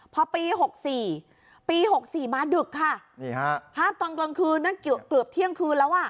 พอปีหกสี่ปีหกสี่มาดึกค่ะนี่ฮะภาพตอนกลางคืนนั่นเกือบเที่ยงคืนแล้วอ่ะ